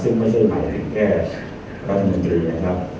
ซึ่งไม่ใช่หมายถึงแค่กราธิบันดีนะครับ